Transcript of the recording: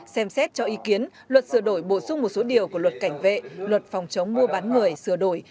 xem xét cho ý kiến luật sửa đổi bổ sung một số điều của luật cảnh vệ luật phòng chống mua bán người sửa đổi